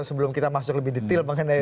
sebelum kita masuk lebih detail mengenai